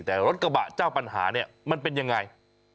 แต่รถกระบะเจ้าปัญหามันเป็นอย่างไร